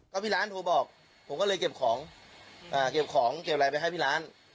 ก็พี่ร้านโทรบอกผมก็เลยเก็บของเก็บของเก็บอะไรไปให้พี่ร้าน